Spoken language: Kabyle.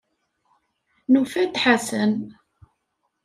Nufa-d Ḥasan.